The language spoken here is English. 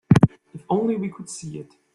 If only we could see it.